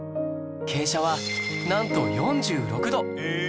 傾斜はなんと４６度！